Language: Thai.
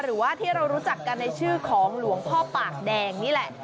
หรือว่าที่เรารู้จักกันในชื่อของหลวงพ่อปากแดงนี่แหละ